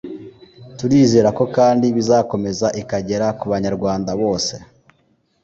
turizera ko kandi bizakomeza ikagera ku banyarwanda bose